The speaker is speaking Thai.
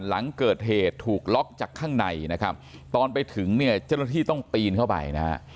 หลังเกิดเหตุถูกล็อกจากข้างในนะครับตอนไปถึงเนี่ยเจ้าหน้าที่ต้องปีนเข้าไปนะฮะ